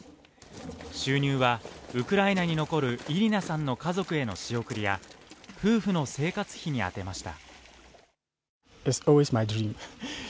収入はウクライナに残るイリナさんの家族への仕送りや、夫婦の生活費に充てました。